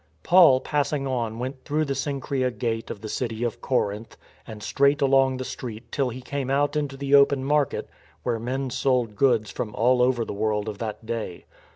Paul passing on went through the Cenchrese gate of the city of Corinth, and straight along the street till he came out into the open market where men sold goods from all over the world of that day.